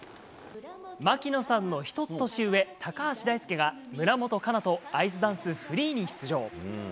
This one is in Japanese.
槙野さんの１つ年上、高橋大輔が村元哉中とアイスダンスフリーに出場。